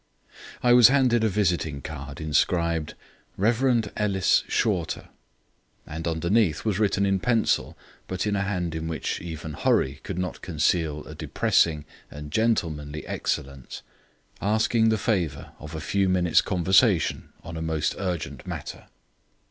I was handed a visiting card inscribed: "Rev. Ellis Shorter", and underneath was written in pencil, but in a hand in which even hurry could not conceal a depressing and gentlemanly excellence, "Asking the favour of a few moments' conversation on a most urgent matter."